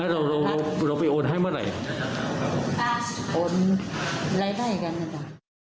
เราเราไปโอนให้เมื่อไหร่โอนรายได้กันนะจ๊ะ